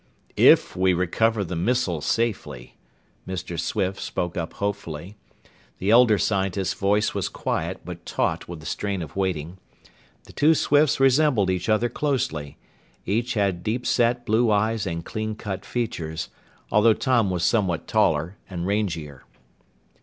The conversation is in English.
"If we recover the missile safely," Mr. Swift spoke up hopefully. The elder scientist's voice was quiet but taut with the strain of waiting. The two Swifts resembled each other closely each had deep set blue eyes and clean cut features although Tom was somewhat taller and rangier.